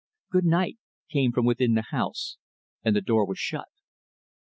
"Good night," came from within the house, and the door was shut.